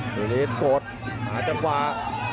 สุริริตรกดหาจะขวา